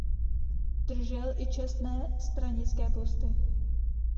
Držel i četné stranické posty.